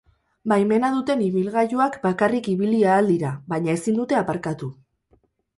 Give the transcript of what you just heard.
Baimena duten ibilgailuak bakarrik ibili ahal dira, baina ezin dute aparkatu.